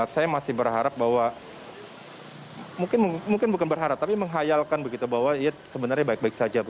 saya masih berharap bahwa mungkin bukan berharap tapi menghayalkan begitu bahwa ya sebenarnya baik baik saja